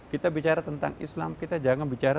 kita bicara tentang islam kita jangan bicara